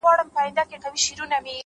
• لا خو دي ډکه ده لمن له مېړنو زامنو ,